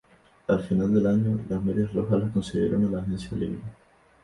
Al final del año, los Medias Rojas le concedieron la agencia libre.